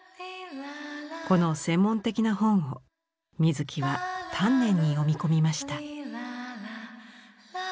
この専門的な本を水木は丹念に読み込みました。